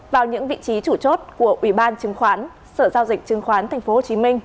vào những vị trí chủ chốt của ủy ban chứng khoán sở giao dịch chứng khoán tp hcm